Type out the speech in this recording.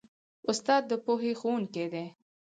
استاد د پوهې ښوونکی دی.